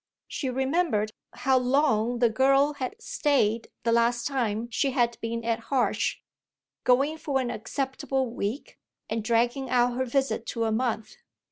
She remembered how long the girl had stayed the last time she had been at Harsh going for an acceptable week and dragging out her visit to a month.